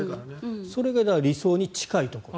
それが理想に近いところ。